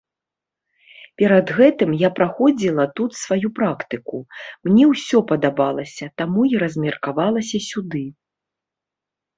Перад гэтым я праходзіла тут сваю практыку, мне ўсё падабалася, таму і размеркавалася сюды.